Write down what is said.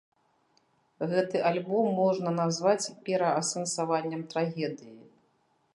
Гэты альбом можна назваць пераасэнсаваннем трагедыі.